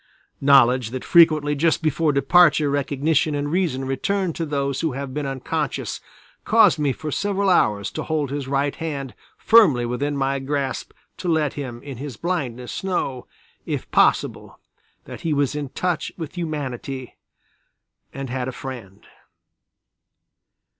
Knowledge that frequently just before departure recognition and reason return to those who have been unconscious caused me for several hours to hold his right hand firmly within my grasp to let him in his blindness know, if possible, that he was in touch with humanity and had a friend.